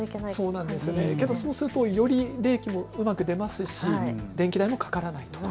そうするとより冷気もうまく出ますし電気代もかからないと。